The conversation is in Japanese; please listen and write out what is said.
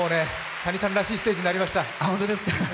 Ｔａｎｉさんらしいステージになりました。